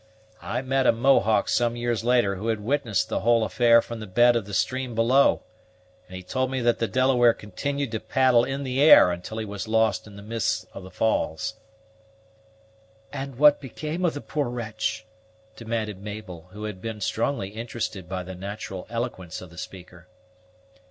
I met a Mohawk some years later who had witnessed the whole affair from the bed of the stream below, and he told me that the Delaware continued to paddle in the air until he was lost in the mists of the falls." "And what became of the poor wretch?" demanded Mabel, who had been strongly interested by the natural eloquence of the speaker.